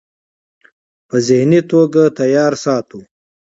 پۀ ذهني توګه تيار ساتو -